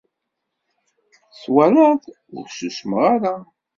Twalaḍ! Ur ssusmeɣ ara.